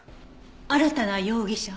新たな容疑者？